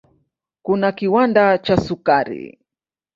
Kuna kiwanda cha sukari.